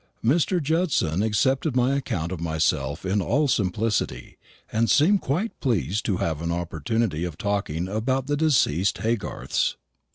Mr. Judson accepted my account of myself in all simplicity, and seemed quite pleased to have an opportunity of talking about the deceased Haygarths.